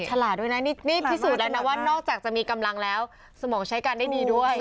ฉลาดด้วยนะนี่พิสูจน์แล้วนะว่านอกจากจะมีกำลังแล้วสมองใช้กันได้ดีด้วย